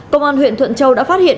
công an huyện thuận châu đã phát hiện